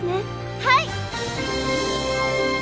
はい！